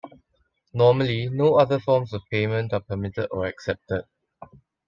Normally, no other forms of payment are permitted or accepted.